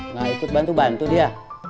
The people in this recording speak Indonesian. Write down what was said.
nah ikut bantu bantu dia